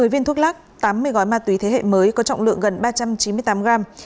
một mươi viên thuốc lắc tám mươi gói ma túy thế hệ mới có trọng lượng gần ba trăm chín mươi tám gram